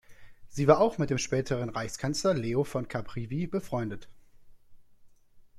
Sie war auch mit dem späteren Reichskanzler Leo von Caprivi befreundet.